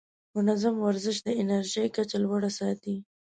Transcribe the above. منظم ورزش د انرژۍ کچه لوړه ساتي.